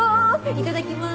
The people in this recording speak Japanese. いただきます。